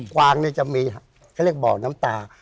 กวางเนี่ยจะมีเขาเรียกบ่อน้ำตา